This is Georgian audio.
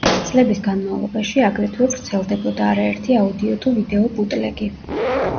წლების განმავლობაში აგრეთვე ვრცელდებოდა არაერთი აუდიო თუ ვიდეო ბუტლეგი.